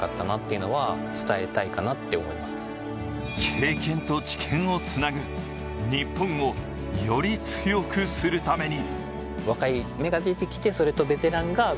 経験と知見をつなぐ、日本をより強くするために。